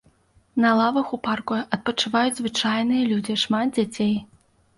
На лавах у парку адпачываюць звычайныя людзі, шмат дзяцей.